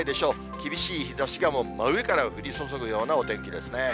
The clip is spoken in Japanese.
厳しい日ざしがもう真上から降り注ぐようなお天気ですね。